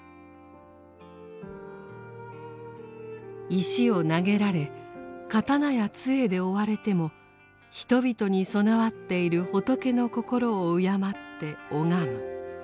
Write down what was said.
石を投げられ刀や杖で追われても人々に具わっている仏の心を敬って拝む。